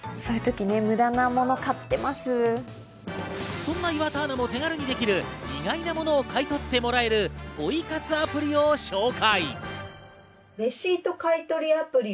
そんな岩田アナも手軽にできる、意外な物を買い取ってもらえるポイ活アプリを紹介。